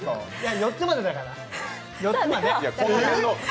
４つまでだから。